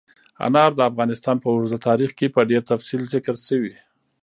انار د افغانستان په اوږده تاریخ کې په ډېر تفصیل ذکر شوي.